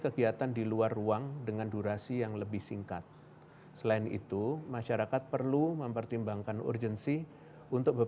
kedatangan di pintu masuk